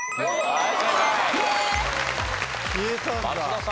はい。